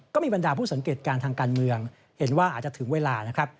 บรรดาผู้สังเกตการณ์ทางการเมืองเห็นว่าอาจจะถึงเวลานะครับ